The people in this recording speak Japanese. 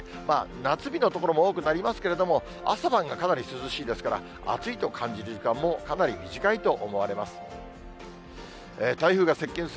夏日の所も多くなりますけれども、朝晩がかなり涼しいですから、暑いと感じる時間もかなり短いと思われます。